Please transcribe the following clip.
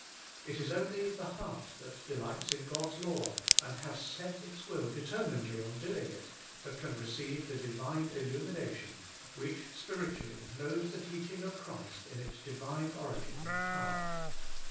It is oooly the heart that delights in God's law, and Has Set Its Will Determin edly on Doing It^ that can receive the divine illumination, which spiritually knows the teach ing of Christ in its Divine origin and power.